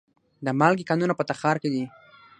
د مالګې کانونه په تخار کې دي